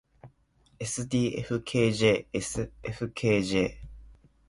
ｓｄｆｋｊｓｆｋｊ